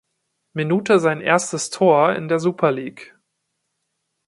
Minute sein erstes Tor in der Super League.